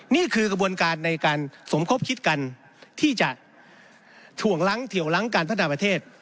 นี่คือกระบวนการในการสมคบคิดกันที่จะถ่วงล้างเถียวล้างการพัฒนาประเทศ